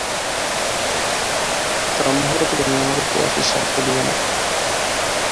সম্ভবতঃ তুমি আমাদেরকে অ্যাশেজ রাখতে দিবে না।